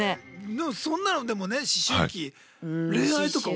でもそんなのでもね思春期恋愛とかは？